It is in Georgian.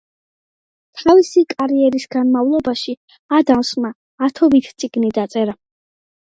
თავისი კარიერის განმავლობაში ადამსმა ათობით წიგნი დაწერა.